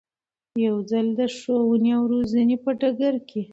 يو ځل بيا د ښوونې او روزنې په ډګر کې